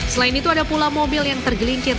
selain itu ada pula mobil yang tergelincir